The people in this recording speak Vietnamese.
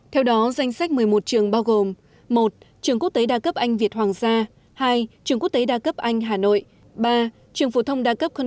theo đó danh sách một mươi một trường bao gồm